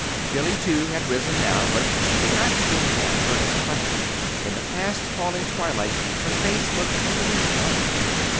Billy, too, had risen, now, but she did not seem to have heard his question. In the fast falling twilight her face looked a little white.